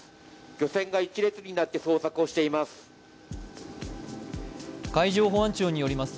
漁船が１列になって捜索をしています。